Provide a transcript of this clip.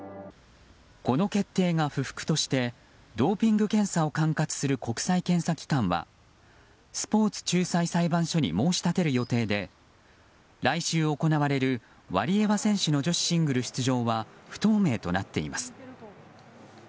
この決定が不服としてドーピング検査を管轄する国際検査機関はスポーツ仲裁裁判所に申し立てる予定で来週行われるワリエワ選手の女子シングル出場は不透明となっています。